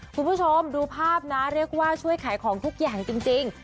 คุณผู้ชมดูภาพนะเรียกว่าช่วยขายของทุกอย่างจริง